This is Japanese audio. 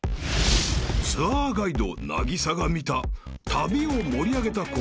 ［ツアーガイド凪咲が見た旅を盛り上げた行動］